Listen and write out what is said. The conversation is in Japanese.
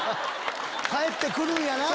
返って来るんやな。